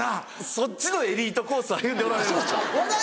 そっちのエリートコースを歩んでおられる。